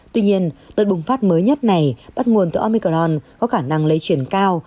tuy nhiên đợt bùng phát mới nhất này bắt nguồn từ omicron có khả năng lấy chuyển cao